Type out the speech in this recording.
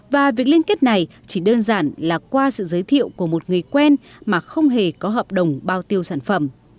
và việc liên kết này chỉ đơn giản là qua sự giới thiệu của một người quen mà không hề có hợp đồng bao tiêu sản phẩm